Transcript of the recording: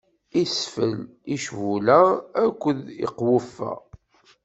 Isfel icbula akked iqweffa.